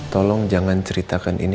tolong jangan ceritakan ini